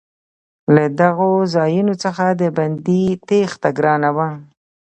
له دغو ځایونو څخه د بندي تېښته ګرانه وه.